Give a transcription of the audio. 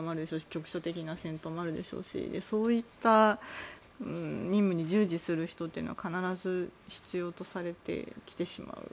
局所的な戦闘もあるでしょうしそういった任務に従事する人というのは必ず必要とされてきてしまう。